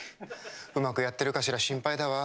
うまくやってるかしら、心配だわ。